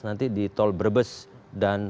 nanti di tol brebes dan